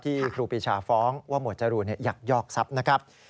ครูปีชาฟ้องว่าหมวดจรูนยักยอกทรัพย์นะครับ